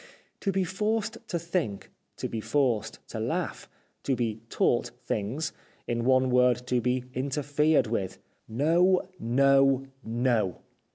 To be forced to think, to be forced to laugh, to be taught things, in one word to be interfered with. No ! No ! NO